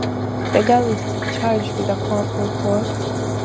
The girl is charged with a powerful force.